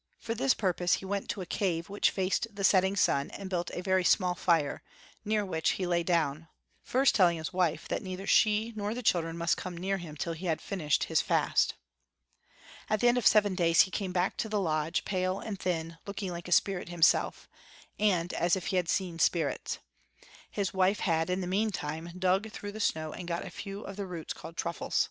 For this purpose he went to a cave which faced the setting sun and built a very small fire, near which he lay down, first telling his wife that neither she nor the children must come near him till he had finished his i fast. At the end of seven days he came back to the lodge, pale and thin, looking like a spirit himself, and as if he had seen spirits. His wife had in the meantime dug | through the snow and got a few of the roots called truffles.